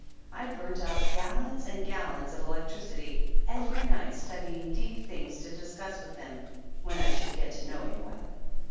I burnt out gallons and gallons of electricity every night studying deep things to discuss with him when I should get to know him well."